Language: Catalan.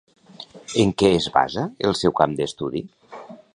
En què es basa el seu camp d'estudi?